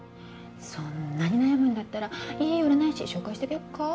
そんなに悩むんだったらいい占い師紹介してあげよっか？